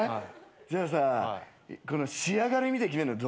じゃあさこの仕上がり見て決めんのどう？